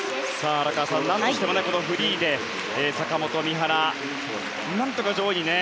荒川さん、何としてもこのフリーで坂本、三原、何とか上位に。